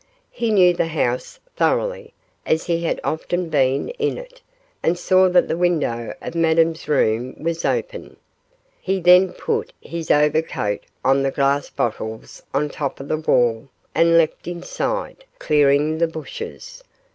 He knew the house thoroughly as he had often been in it, and saw that the window of Madame's room was open. He then put his overcoat on the glass bottles on top of the wall and leapt inside, clearing the bushes.